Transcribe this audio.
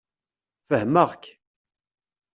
Fehmeɣ-k.